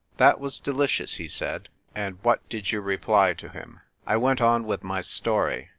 "That was delicious,' he said; "and what did you reply to him ?" I went on with my story.